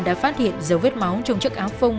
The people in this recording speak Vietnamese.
đã phát hiện dấu vết máu trong chức áo phông